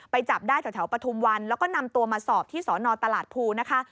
จับได้แถวปฐุมวันแล้วก็นำตัวมาสอบที่สอนอตลาดภูนะคะ